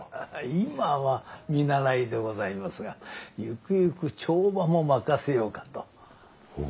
今は見習いでございますがゆくゆく帳場も任せようかと。